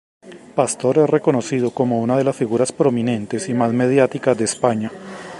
Pastor es reconocido como una de las figuras prominentes y más mediáticas de España.